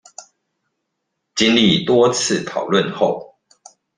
經歷多次討論後